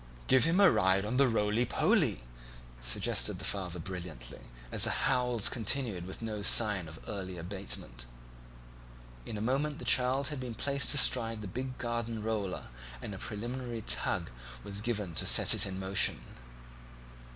"Give him a ride on the roly poly," suggested the father brilliantly, as the howls continued with no sign of early abatement. In a moment the child had been placed astride the big garden roller and a preliminary tug was given to set it in motion.